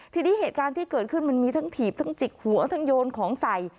ทีนี้เหตุการณ์ที่เกิดขึ้นมันมีทั้งถีบทั้งจิกหัวทั้งโยนของใส่